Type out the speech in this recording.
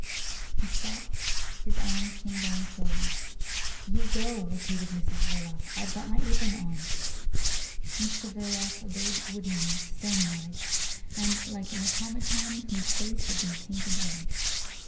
He stopped, his arms came down slowly. "You go," repeated Mrs Verloc. "I've got my apron on." Mr Verloc obeyed woodenly, stony eyed, and like an automaton whose face had been painted red.